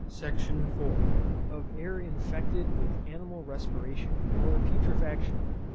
SECTION IV. _Of AIR infected with ANIMAL RESPIRATION, or PUTREFACTION.